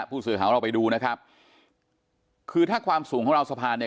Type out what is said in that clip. สื่อของเราไปดูนะครับคือถ้าความสูงของเราสะพานเนี่ย